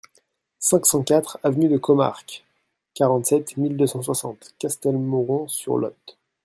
cinq cent quatre avenue de Comarque, quarante-sept mille deux cent soixante Castelmoron-sur-Lot